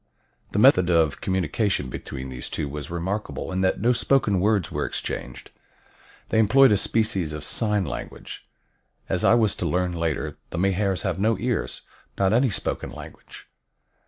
The method of communication between these two was remarkable in that no spoken words were exchanged. They employed a species of sign language. As I was to learn later, the Mahars have no ears, not any spoken language.